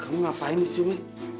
kamu ngapain disini